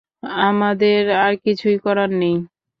আমাদের আর কিছুই করার নেই।